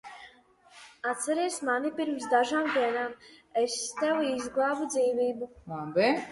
Atceries mani, pirms dažām dienām es tev izglābu dzīvību?